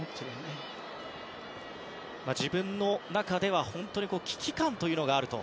自分の中では本当に危機感があると。